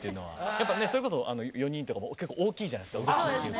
やっぱねそれこそ４人とかも結構大きいじゃないですか動き。